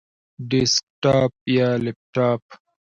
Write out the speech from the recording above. ډیسکټاپ یا لپټاپ؟